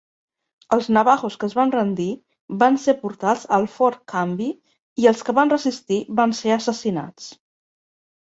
Els navajos que es van rendir van ser portats al Fort Canby i els que van resistir van ser assassinats.